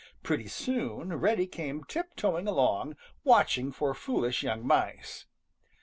Pretty soon Reddy came tiptoeing along, watching for foolish young mice.